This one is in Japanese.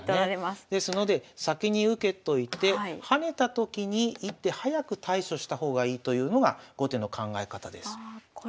ですので先に受けといて跳ねたときに１手早く対処した方がいいというのが後手の考え方です。